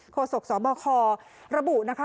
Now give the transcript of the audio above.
โศกสบคระบุนะคะ